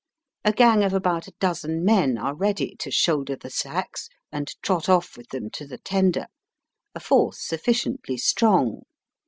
A gang of about a dozen men are ready to shoulder the sacks and trot off with them to the tender, a force sufficiently strong.